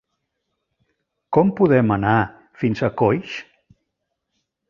Com podem anar fins a Coix?